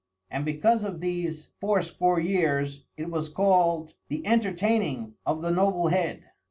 And because of these fourscore years, it was called "The Entertaining of the Noble Head."